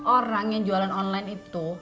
orang yang jualan online itu